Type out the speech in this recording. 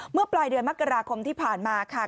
เมื่อปลายเดือนมกราคมที่ผ่านมาค่ะ